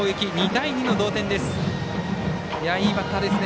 ２対２の同点です。